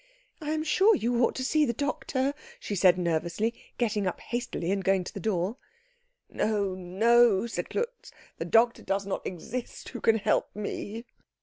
"I am sure you ought to see the doctor," she said nervously, getting up hastily and going to the door. "No, no," said Klutz; "the doctor does not exist who can help me."